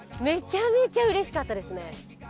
めちゃめちゃうれしかったですね。